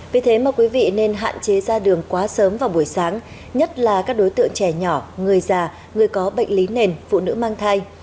vì thế mà quý vị nên hạn chế ra đường quá sớm vào buổi sáng nhất là các đối tượng trẻ nhỏ người già người có bệnh lý nền phụ nữ mang thai